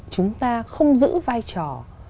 chúng ta không giữ vai trò